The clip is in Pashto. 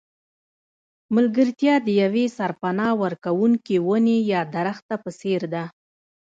ملګرتیا د یوې سرپناه ورکوونکې ونې یا درخته په څېر ده.